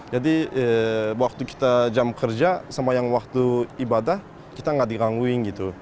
jadi waktu kita jam kerja sama yang waktu ibadah kita nggak digangguin gitu